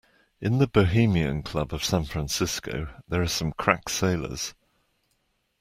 In the Bohemian Club of San Francisco there are some crack sailors.